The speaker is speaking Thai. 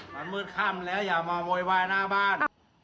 มันมืดค่ำแล้วอย่ามาโวยวายหน้าบ้าน